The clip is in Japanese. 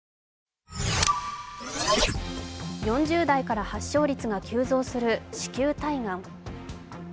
４０代から発症率が急増する子宮体がん。